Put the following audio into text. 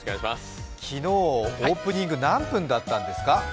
昨日、オープニング何分だったんですか？